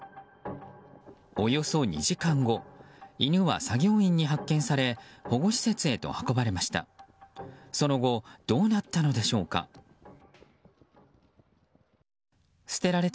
およそ２時間後犬は作業員に発見され保護施設へと運ばれました。